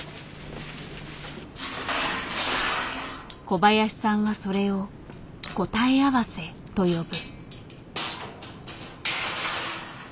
小林さんはそれを「答え合わせ」と呼ぶ。